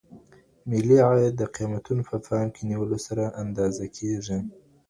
ملي عايد د قيمتونو په پام کي نيولو سره اندازه کيږي.